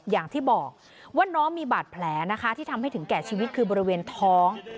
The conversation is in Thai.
อย่างที่บอกว่าน้องมีบาดแผลนะคะที่ทำให้ถึงแก่ชีวิตคือบริเวณท้อง